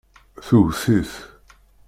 Tewwet-it.